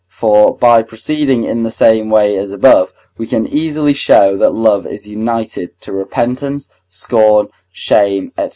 For, by proceeding in the same way as above, we can easily show that love is united to repentance, scorn, shame, &c.